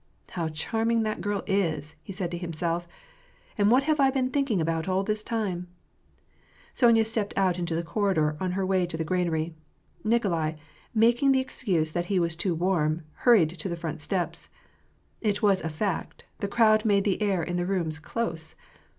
"How charming that girl is!" said he to himself. "And what have I been thinking about all this time ?" Sonya stepped out into the corridor on her way to the gran ary. Nikolai, making the excuse that he was too warm, hurried to the front steps. It was a fact, the crowd made the air in the rooms close.